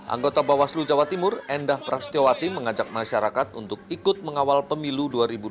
anggota bawaslu jawa timur endah prastiwati mengajak masyarakat untuk ikut mengawal pemilu dua ribu dua puluh